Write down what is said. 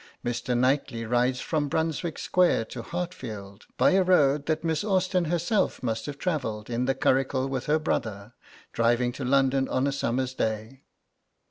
Mr. Knightly rides from Brunswick Square to Hartfield, by a road that Miss Austen herself must have travelled in the curricle with her brother, driving to London on a summer's day.